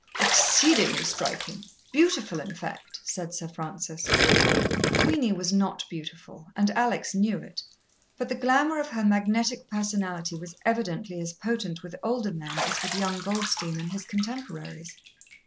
"Exceedingly striking beautiful, in fact," said Sir Francis. Queenie was not beautiful, and Alex knew it, but the glamour of her magnetic personality was evidently as potent with older men as with young Goldstein and his contemporaries.